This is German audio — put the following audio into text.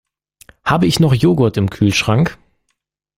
Habe ich noch Joghurt im Kühlschrank?